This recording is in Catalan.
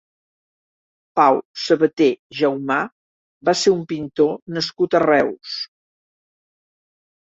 Pau Sabaté Jaumà va ser un pintor nascut a Reus.